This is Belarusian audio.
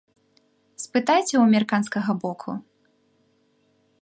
Спытайце ў амерыканскага боку.